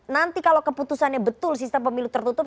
nanti kalau keputusannya betul sistem pemilu tertutup